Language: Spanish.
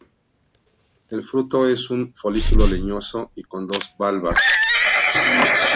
El fruto es un folículo leñoso y con dos valvas.